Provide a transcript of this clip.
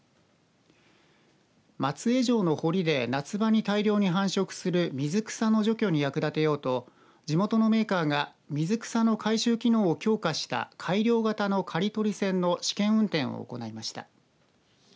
松江城の堀で夏場に大量に繁殖する水草の除去に役立てようと地元のメーカーが水草の回収機能を強化した改良型の刈り取り船の試験運転を行いました。